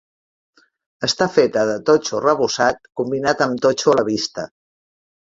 Està feta de totxo arrebossat combinat amb totxo a la vista.